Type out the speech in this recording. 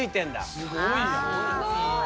すごいな。